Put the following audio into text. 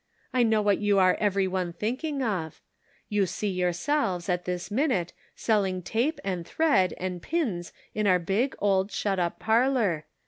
"I know what you are every one thinking of. You see yourselves, at this minute, selling tape and thread and pins in our big, old shut up parlor.